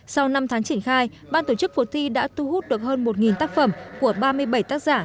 sau năm tháng triển khai ban tổ chức cuộc thi đã thu hút được hơn một tác phẩm của ba mươi bảy tác giả